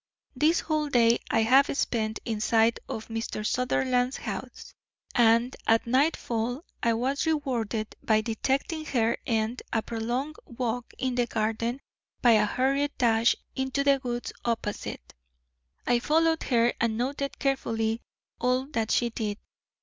This whole day I have spent in sight of Mr. Sutherland's house, and at nightfall I was rewarded by detecting her end a prolonged walk in the garden by a hurried dash into the woods opposite. I followed her and noted carefully all that she did.